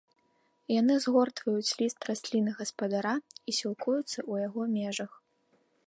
Яны згортваюць ліст расліны-гаспадара і сілкуюцца ў яго межах.